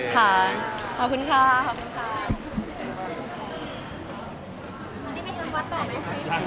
ค่ะขอบคุณค่ะ